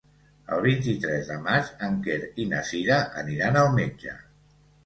El vint-i-tres de maig en Quer i na Cira aniran al metge.